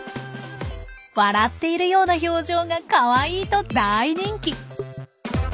笑っているような表情がかわいいと大人気！